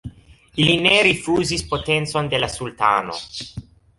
Ili ne rifuzis potencon de la sultano.